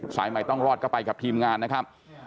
สายใหม่ต้องรอดก็ไปกับทีมงานนะครับ